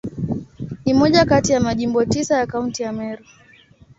Ni moja kati ya Majimbo tisa ya Kaunti ya Meru.